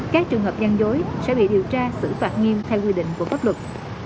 các trường hợp giang dối sẽ bị điều tra xử phạt nghiêm theo quy định của pháp luật